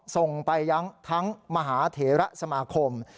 ส่งไปยังทั้งมหาเถระสมาคม